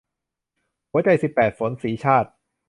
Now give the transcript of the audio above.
หัวใจสิบแปดฝน - สีชาติ